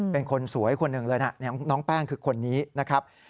เป็นคนสวยคนหนึ่งเลยนะน้องแป้งคือคนนี้นะครับ